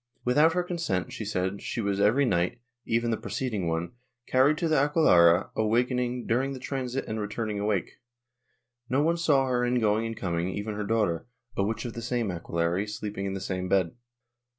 Without her consent, she said, she was every night — even the preceding one — carried to the aquelarre, awaking during the transit and returning awake. No one saw her in going and coming, even her daughter, a witch of the same aquelarre, sleeping in the same bed.